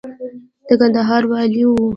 د کندهار والي و.